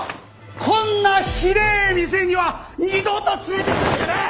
こんなひでえ店には二度と連れてくるんじゃねえ！